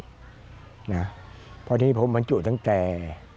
เพราะฉะนั้นผมมันจุดตั้งแต่